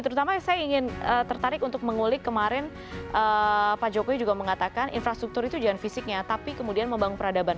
terutama saya ingin tertarik untuk mengulik kemarin pak jokowi juga mengatakan infrastruktur itu jangan fisiknya tapi kemudian membangun peradaban